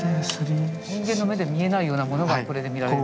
人間の目で見えないようなものがこれで見られる。